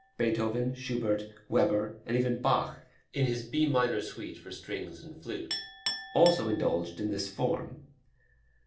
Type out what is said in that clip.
Beethoven, Schubert, Weber, and even Bach in his B minor suite for strings and flute also indulged in this form.